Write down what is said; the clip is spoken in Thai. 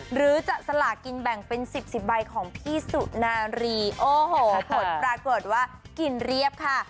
หรือจะสลากินแบ่งเป็น๑๐๑๐ใบของพี่สุนารีโอ้โหผลปรากฏว่ากินเรียบค่ะ